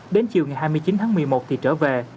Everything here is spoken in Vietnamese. đến chiều ngày hai mươi chín tháng một mươi một thì trở về